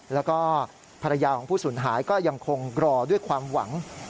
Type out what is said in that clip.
แล้วก็ภรรยาของผู้สูญหายก็ยังคงรอด้วยความหวัง